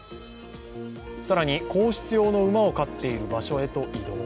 更に皇室用の馬を飼っている場所へと移動。